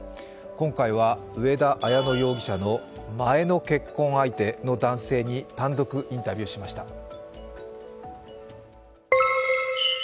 今回は、上田綾乃容疑者の前の結婚相手の男性に単独インタビューしました。